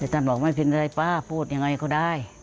แล้วต้านบอกไม่ผิดอะไรป้าพูดยังไงก็ได้